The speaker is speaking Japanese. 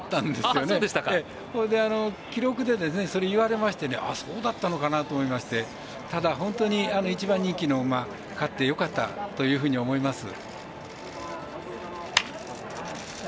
それで記録で言われましてそうだったのかなと思いましてただ、本当に１番人気の馬勝ってよかったというふうに思います。